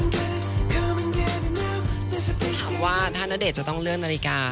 แต่ถามว่าถ้าณเดชน์จะต้องเลื่อนนาฬิกา